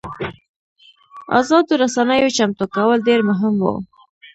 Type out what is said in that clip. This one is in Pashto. ازادو رسنیو چمتو کول ډېر مهم وو.